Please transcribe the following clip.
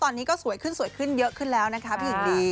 ตอนนี้ก็สวยขึ้นเยอะขึ้นแล้วนะครับหญิงรี